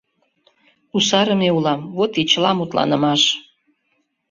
— Кусарыме улам — вот и чыла мутланымаш.